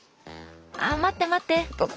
あ待って待って！